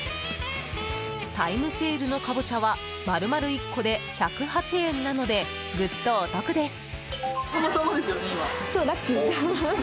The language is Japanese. タイムセールのカボチャは丸々１個で１０８円なのでぐっとお得です。